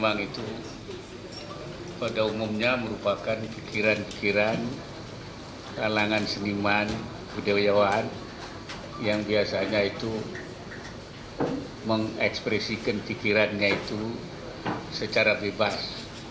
memang itu pada umumnya merupakan pikiran pikiran kalangan seniman budayawan yang biasanya itu mengekspresikan pikirannya itu secara bebas